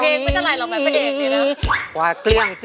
เพลงนี้อยู่ในอาราบัมชุดแจ็คเลยนะครับ